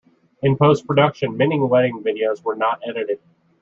In post-production, many wedding videos were not edited.